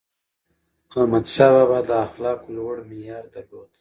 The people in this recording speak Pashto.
احمدشاه بابا د اخلاقو لوړ معیار درلود.